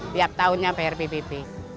tiap tahunnya bayar ppp